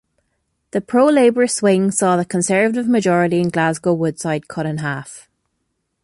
The pro-Labour swing saw the Conservative majority in Glasgow Woodside cut in half.